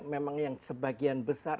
memang yang sebagian besar